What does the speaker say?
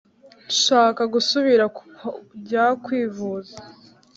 nshaka gusubira kujya kwivuza